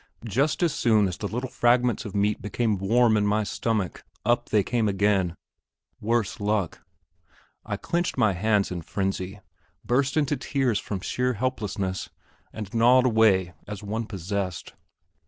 Just as soon as the little fragments of meat became warm in my stomach up they came again, worse luck. I clenched my hands in frenzy, burst into tears from sheer helplessness, and gnawed away as one possessed.